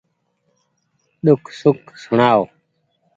ۮوک سوک سوڻآڻو